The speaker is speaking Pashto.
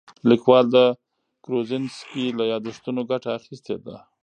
لیکوال د کروزینسکي له یادښتونو ګټه اخیستې ده.